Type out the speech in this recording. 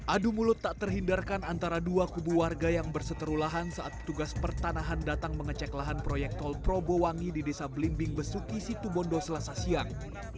adu mulut tak terhindarkan antara dua kubu warga yang berseteru lahan saat petugas pertanahan datang mengecek lahan proyek tol probowangi di desa belimbing besuki situbondo selasa siang